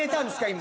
今。